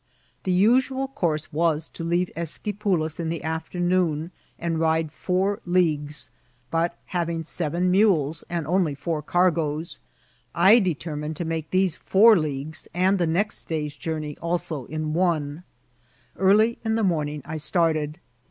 The usual course was to leave Esqm pulas in the afternoon, and ride four leagues ; but, hav ing seven mules and only four cargoes, I determined to make these four leagues and the next day's journey also in one* Early in the morning I started.